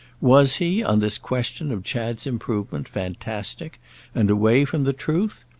Was he, on this question of Chad's improvement, fantastic and away from the truth?